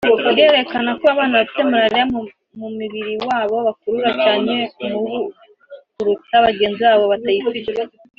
irerekana ko abana bafite malaria mu mubiri wabo bakurura cyane umubu kuruta bagenzi babo batayifite